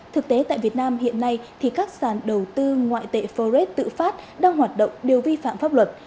thực tế tại việt nam hiện nay thì các sàn đầu tư ngoại tệ forex tự phát đang hoạt động đều vi phạm pháp luật